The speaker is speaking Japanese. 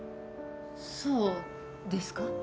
そうですか？